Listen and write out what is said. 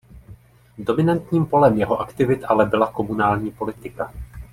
Dominantním polem jeho aktivit ale byla komunální politika.